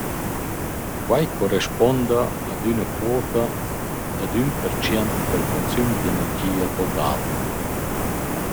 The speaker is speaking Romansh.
Quai correspuonda ad üna quota dad ün pertschient dal consüm d’energia total.